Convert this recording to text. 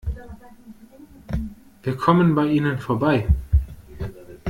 Wir kommen bei ihnen vorbei.